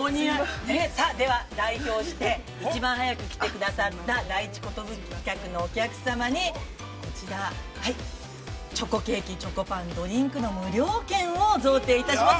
では、代表して、一番早く来てくださった、第一寿客のお客様に、こちら、チョコケーキ、チョコパン、ドリンクの無料券を贈呈いたします。